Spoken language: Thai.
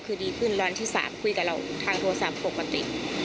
คือดีขึ้นวันที่๓คุยกับเราทางโทรศัพท์ปกติ